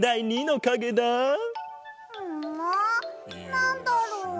なんだろう？